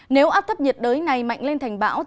nếu áp thấp nhiệt đới này mạnh lên thành bão